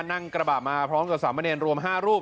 นั่งกระบะมาพร้อมกับสามเณรรวม๕รูป